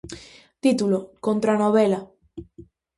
Título: "Contra a novela".